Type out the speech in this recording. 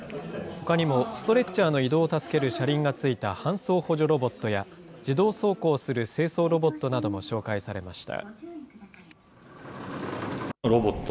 ほかにも、ストレッチャーの移動を助ける車輪がついた搬送補助ロボットや、自動走行する清掃ロボットなども紹介されました。